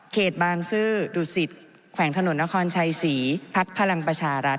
เขตบางซื้อดุศิษย์แขวงถนนอครชายศรีพัทพลังประชารัฐ